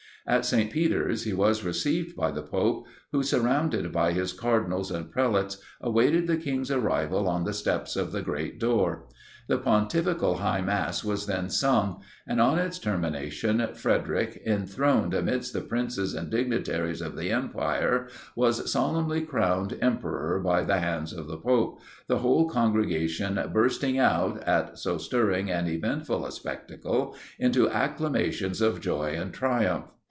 At St. Peter's he was received by the pope, who, surrounded by his cardinals and prelates, awaited the king's arrival on the steps of the great door. The pontifical high mass was then sung, and, on its termination, Frederic, enthroned amidst the princes and dignitaries of the empire, was solemnly crowned Emperor by the hands of the Pope, the whole congregation bursting out, at so stirring and eventful a spectacle, into acclamations of joy and triumph.